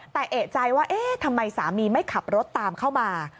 แต่เอกใจว่าเอ๊ะทำไมสามีไม่ขับรถตามเข้ามา